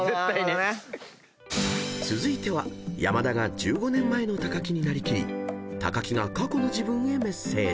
［続いては山田が１５年前の木に成り切り木が過去の自分へメッセージ］